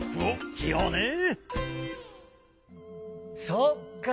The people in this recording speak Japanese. そっか！